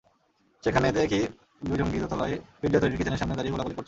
সেখানে দেখি দুই জঙ্গি দোতলায় পিৎজা তৈরির কিচেনের সামনে দাঁড়িয়ে গোলাগুলি করছে।